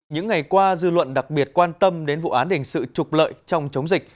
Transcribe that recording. những ngày qua dư luận đặc biệt quan tâm đến vụ án hình sự trục lợi trong chống dịch